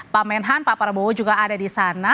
pak menhan pak prabowo juga ada di sana